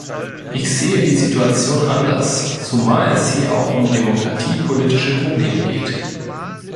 Ich sehe die Situation anders, zumal es hier auch um demokratiepolitische Probleme geht.